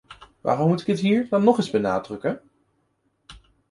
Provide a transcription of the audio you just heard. Waarom moet ik het hier dan nog eens benadrukken?